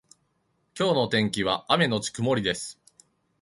今日の天気は雨のち曇りです。